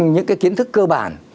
những cái kiến thức cơ bản